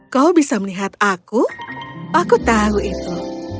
kau bisa melihat aku aku tahu itu